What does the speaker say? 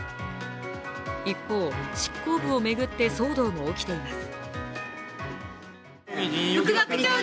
一方、執行部を巡って騒動も起きています。